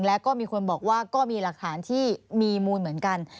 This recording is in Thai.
แล้วก็มีคนบอกว่าก็มีหลักฐานที่มีมูลเหมือนกัน